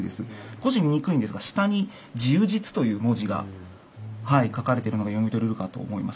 少し見にくいんですが下に「ＪＩＵーＪＩＴＳＵ」という文字が書かれてるのが読み取れるかと思います。